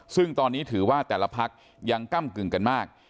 ซึ่งตอนนี้ถือว่าแต่ละพักยังก้ำกึ่งกันมาก